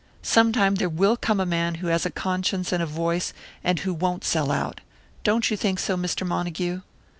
Sometime there will come a man who has a conscience and a voice, and who won't sell out. Don't you think so, Mr. Montague?"